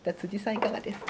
いかがですか？